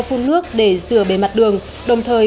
phun nước để rửa bề mặt đường đồng thời